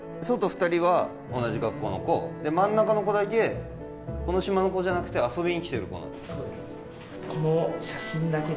外２人は同じ学校の子で真ん中の子だけこの島の子じゃなくて遊びに来てる子なんだ